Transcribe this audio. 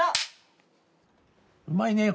うまいねえ。